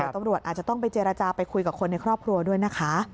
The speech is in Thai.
ตำรวจอาจจะต้องไปเจรจาไปคุยกับคนในครอบครัวด้วยนะคะ